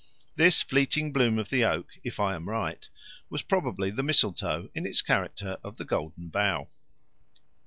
This fleeting bloom of the oak, if I am right, was probably the mistletoe in its character of the Golden Bough.